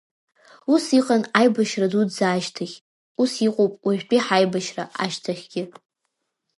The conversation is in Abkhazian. Ус иҟан аибашьра дуӡӡа ашьҭахь, ус иҟоуп уажәтәи ҳаибашьра ашьҭахьгьы.